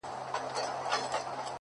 چي ته حال راكړې گرانه زه درځمه!!